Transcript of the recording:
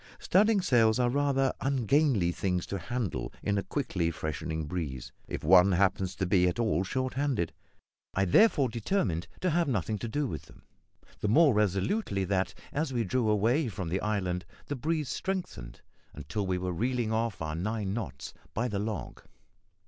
Studding sails are rather ungainly things to handle in a quickly freshening breeze, if one happens to be at all short handed. I therefore determined to have nothing to do with them the more resolutely that, as we drew away from the island, the breeze strengthened until we were reeling off our nine knots by the log.